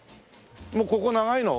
もうここ長いの？